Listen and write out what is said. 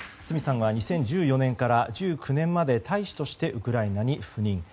角さんは２０１４年から２０１９年まで大使としてウクライナに赴任。